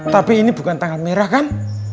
tapi ini bukan tanggal merah kan